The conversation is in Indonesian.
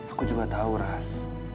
aku juga tahu ras